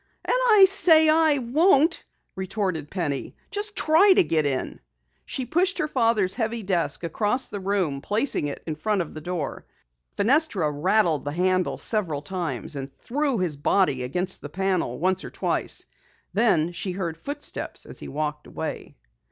"And I say I won't!" retorted Penny. "Just try to get in!" She pushed her father's heavy desk across the room, placing it in front of the door. Fenestra rattled the handle several times, and threw his body against the panel once or twice. Then she heard footsteps as he walked away.